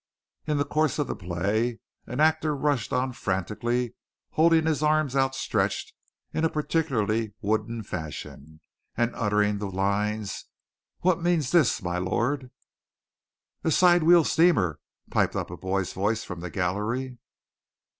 In the course of the play an actor rushed on frantically holding his arms outstretched in a particularly wooden fashion, and uttering the lines, "What means this, my lord!" "A side wheel steamer!" piped up a boy's voice from the gallery.